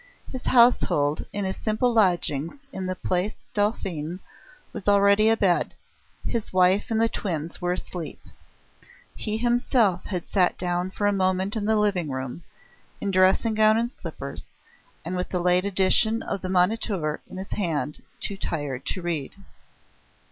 His household in his simple lodgings in the Place Dauphine was already abed: his wife and the twins were asleep. He himself had sat down for a moment in the living room, in dressing gown and slippers, and with the late edition of the Moniteur in his hand, too tired to read.